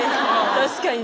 確かにね。